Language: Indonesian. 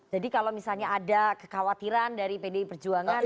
jadi kalau misalnya ada kekhawatiran dari pdi perjuangan pak